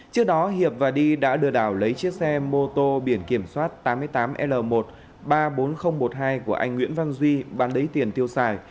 trước đó hiệp và đi đã lừa đảo lấy chiếc xe mô tô biển kiểm soát tám mươi tám l một ba mươi bốn nghìn một mươi hai của anh nguyễn văn duy bán lấy tiền tiêu xài